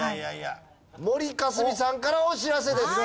森香澄さんからお知らせです。